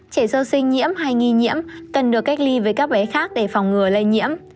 trẻ sơ sinh nhiễm hay nghi nhiễm cần được cách ly với các bé khác để phòng ngừa lây nhiễm